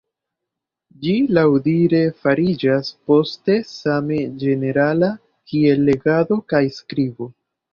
Ĝi laŭdire fariĝas poste same ĝenerala kiel legado kaj skribo.